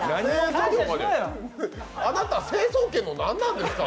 あなた、成層圏の何なんですか。